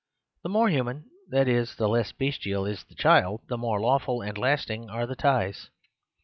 The more human, that is the less bestial, is the child, the more lawful and lasting are the ties.